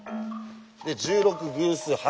で１６偶数８。